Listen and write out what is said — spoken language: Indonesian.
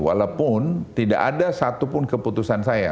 walaupun tidak ada satupun keputusan saya